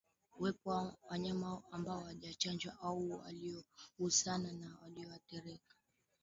Uwepo wa wanyama ambao hawajachanjwa au waliogusana na walioathirika